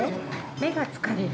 目が疲れる？